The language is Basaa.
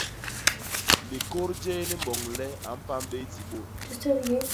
Likôt jéé li mboñ le a pam bé i ti bôt.